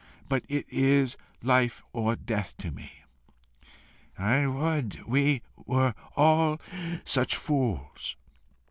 But it is life or death to me." "I would we were all such fools!